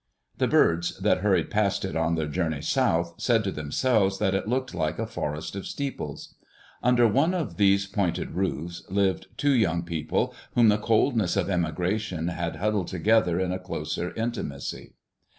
The birds that hurried past it on their journey south said to themselves that it looked like a forest of steeples. Under one of these pointed roofs lived two young people whom the coldness of emigration had huddled together in a closer intimacy.